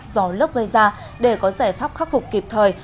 do lốc gây ra để có giải pháp khắc phục kịp thời